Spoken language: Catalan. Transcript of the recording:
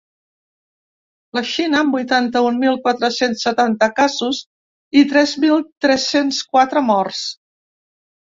La Xina, amb vuitanta-un mil quatre-cents setanta casos i tres mil tres-cents quatre morts.